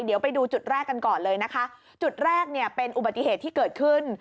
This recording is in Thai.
เดี๋ยวไปดูจุดแรกกันก่อนเลยนะคะจุดแรกเนี่ยเป็นอุบัติเหตุที่เกิดขึ้น